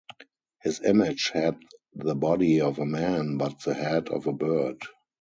His image had the body of a man but the head of a bird.